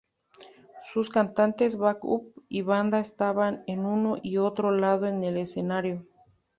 Sus cantantes back-up y banda estaban en uno y otro lado en el escenario.